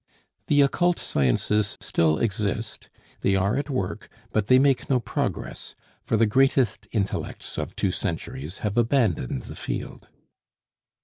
The occult sciences still exist; they are at work, but they make no progress, for the greatest intellects of two centuries have abandoned the field.